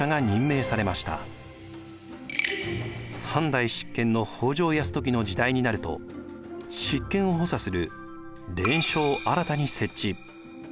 ３代執権の北条泰時の時代になると執権を補佐する連署を新たに設置。